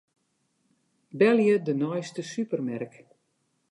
Belje de neiste supermerk.